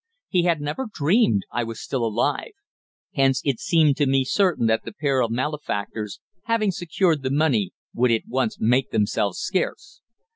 He had never dreamed I was still alive! Hence it seemed to me certain that the pair of malefactors, having secured the money, would at once make themselves scarce.